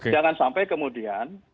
jangan sampai kemudian